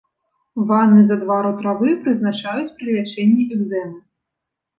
Ванны з адвару травы прызначаюць пры лячэнні экзэмы.